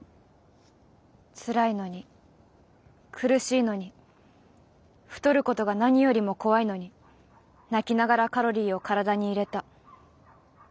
辛いのに苦しいのに太ることが何よりも怖いのに泣きながらカロリーを体に入れた。